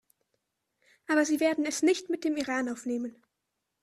Aber Sie werden es nicht mit dem Iran aufnehmen!